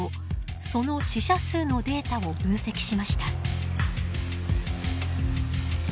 その死者数のデータを分析しました。